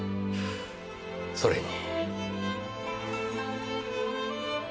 それに。